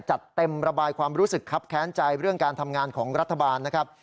จัดเต็มระบายความรู้สึกครับแค้นใจเรื่องการทำงานของรัฐบาลนะครับ